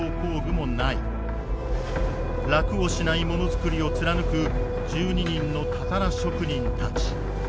楽をしないものづくりを貫く１２人のたたら職人たち。